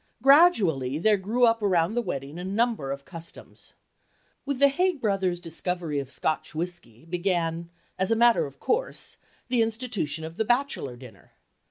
Gradually there grew up around the wedding a number of customs. With the Haig brothers' discovery of Scotch whiskey began, as a matter of course, the institution of the "bachelor dinner."